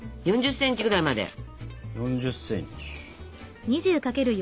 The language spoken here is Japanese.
４０ｃｍぐらいまで。